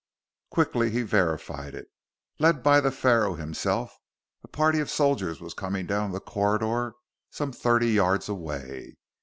Quickly he verified it. Led by the Pharaoh himself, a party of soldiers was coming down the corridor some thirty yards away.